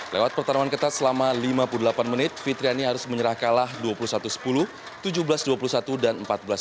lewat pertarungan ketat selama lima puluh delapan menit fitriani harus menyerah kalah dua puluh satu sepuluh tujuh belas dua puluh satu dan empat belas dua puluh